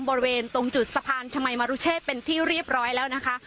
บริเวณตรงจุดสะพานชมัยมรุเชษเป็นที่เรียบร้อยแล้วนะคะ